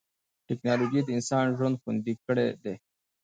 ټکنالوجي د انسان ژوند خوندي کړی دی.